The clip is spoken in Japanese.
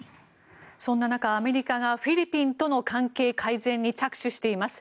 そんな中、アメリカがフィリピンとの関係改善に着手しています。